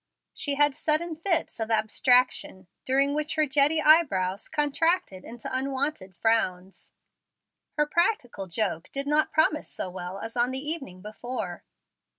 She had sudden fits of abstraction, during which her jetty eyebrows contracted into unwonted frowns. Her practical joke did not promise so well as on the evening before.